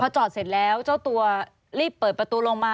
จอดเสร็จแล้วเจ้าตัวรีบเปิดประตูลงมา